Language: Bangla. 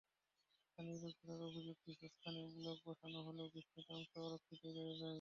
স্থানীয় লোকজনের অভিযোগ, কিছু স্থানে ব্লক বসানো হলেও বিস্তৃত অংশ অরক্ষিতই রয়ে যায়।